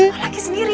sama laki sendiri